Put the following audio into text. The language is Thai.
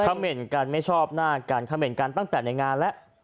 เหม็นกันไม่ชอบหน้ากันคำเมนต์กันตั้งแต่ในงานแล้ว